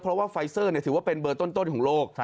เพราะว่าไฟเซอร์ถือว่าเป็นเบอร์ต้นของโลก